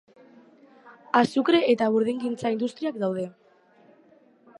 Azukre eta burdingintza industriak daude.